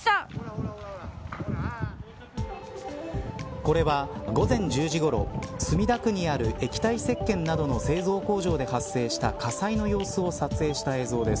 これは、午前１０時ごろ墨田区にある液体せっけんなどの製造工場で発生した火災の様子を撮影した映像です。